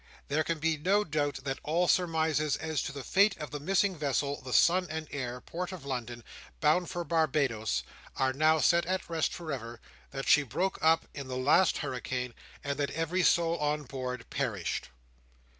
There can be no doubt that all surmises as to the fate of the missing vessel, the Son and Heir, port of London, bound for Barbados, are now set at rest for ever; that she broke up in the last hurricane; and that every soul on board perished.